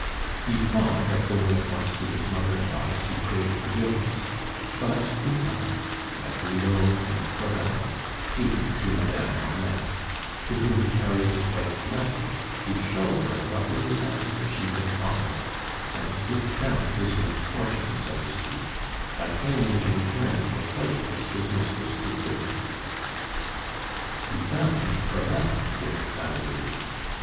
He thought of going at once to his mother in law's to crave forgiveness; but, in fact, like Hulot and Crevel, he went to Madame Marneffe, to whom he carried his wife's letter to show her what a disaster she had caused, and to discount his misfortune, so to speak, by claiming in return the pleasures his mistress could give him. He found Crevel with Valerie.